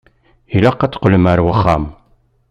Ilaq ad teqqlem ar wexxam.